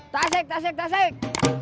tasik tasik tasik